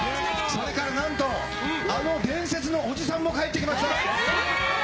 それからなんと、あの伝説のおじさんも帰ってきました。